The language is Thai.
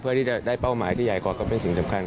เพื่อที่จะได้เป้าหมายที่ใหญ่กว่าก็เป็นสิ่งสำคัญ